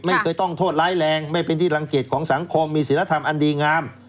ไม่เคยต้องโทษร้ายแรงไม่เป็นที่รังเกียจของสังคมมีศิลธรรมอันดีงาม